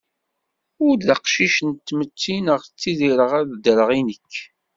Ur d cqiɣ di tmetti, nekk ttidireɣ ad ddreɣ i nekk.